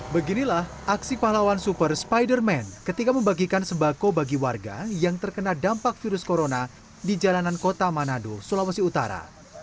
beginilah aksi pahlawan super spider man ketika membagikan sembako bagi warga yang terkena dampak virus corona di jalanan kota manado sulawesi utara